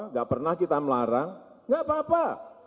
enggak pernah kita melarang enggak apa apa